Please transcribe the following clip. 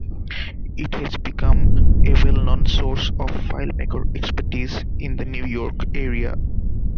It has become a well-known source of FileMaker expertise in the New York area.